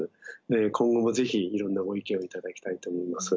今後もぜひいろんなご意見を頂きたいと思います。